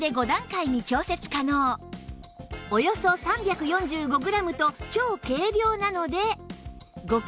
およそ３４５グラムと超軽量なので